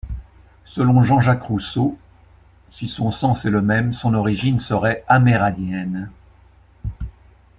Selon Jacques Rousseau, si son sens est le même, son origine serait amérindienne.